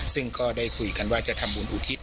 ซึ่งก็ได้คุยกันว่าจะทำบุญอุทิศ